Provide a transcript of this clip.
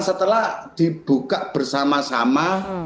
setelah dibuka bersama sama